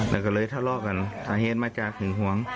แล้วก็เลยทะเลาะกันสาเหตุมาจากหึงหวง